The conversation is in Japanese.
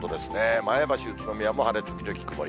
前橋、宇都宮も晴れ時々曇り。